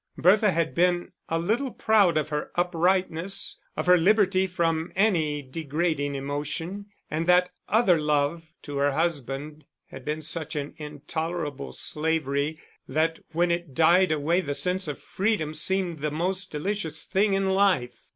Bertha had been a little proud of her uprightness, of her liberty from any degrading emotion. And that other love to her husband had been such an intolerable slavery, that when it died away the sense of freedom seemed the most delicious thing in life.